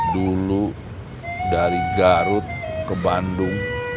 dulu dari garut ke bandung